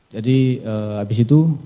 jadi habis itu